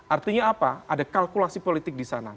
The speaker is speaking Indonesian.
artinya apa ada kalkulasi politik disana